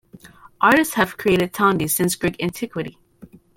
Artists have created tondi since Greek antiquity.